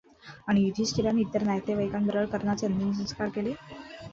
आणि युधिष्ठिराने इतर नातेवाइकांबरोबर कर्णाचे अंत्यसंस्कार केले.